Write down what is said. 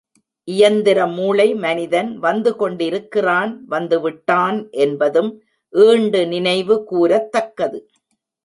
இயந்திர மூளை மனிதன் வந்து கொண்டிருக்கிறான் வந்து விட்டான் என்பதும் ஈண்டு நினைவு கூரத்தக்கது.